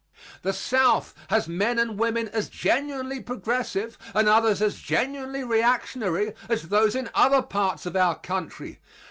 The South has men and women as genuinely progressive and others as genuinely reactionary as those in other parts of our country.